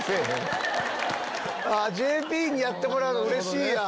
ＪＰにやってもらうのうれしいやん。